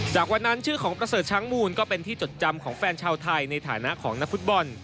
จากวันนั้นชื่อของประเสริฐช้างมูลก็เป็นที่จดจำของแฟนชาวไทยในฐานะของนักฟุตบอล